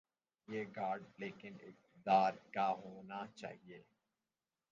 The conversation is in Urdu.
یہ گھاٹ لیکن اقتدارکا ہو نا چاہیے۔